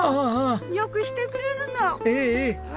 良くしてくれるの。